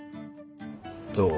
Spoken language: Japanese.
どう？